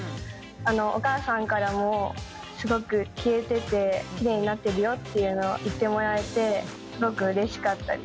お母さんからも「すごく消えててきれいになってるよ」っていうのを言ってもらえてすごくうれしかったです。